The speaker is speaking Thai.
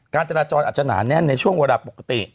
การจราจรอาจจะหนาแน่นในช่วงเวลาปกติ